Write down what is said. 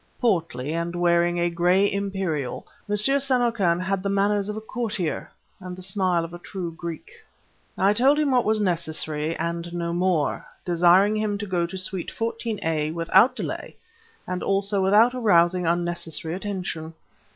Portly, and wearing a gray imperial, M. Samarkan had the manners of a courtier, and the smile of a true Greek. I told him what was necessary, and no more, desiring him to go to suite 14a without delay and also without arousing unnecessary attention.